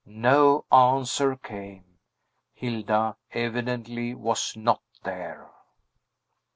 No answer came; Hilda, evidently, was not there.